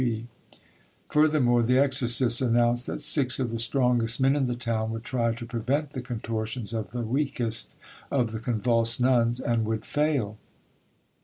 Furthermore, the exorcists announced that six of the strongest men in the town would try to prevent the contortions of the, weakest of the convulsed nuns, and would fail.